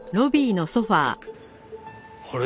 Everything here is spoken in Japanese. あれ？